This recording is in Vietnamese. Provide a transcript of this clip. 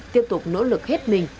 tiếp tục nỗ lực hết mình